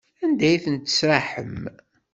Anda ay tent-tesraḥem?